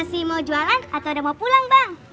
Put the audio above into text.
masih mau jualan atau ada mau pulang bang